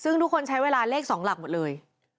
ซึ่งทุกคนใช้เวลาเลข๒หลักหมดเลย